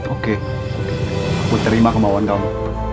oke aku terima kemauan kamu